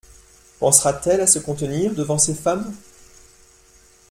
Pensera-t-elle à se contenir devant ses femmes ?…